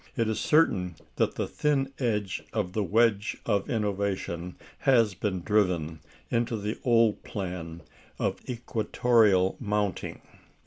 It is certain that the thin edge of the wedge of innovation has been driven into the old plan of equatoreal mounting.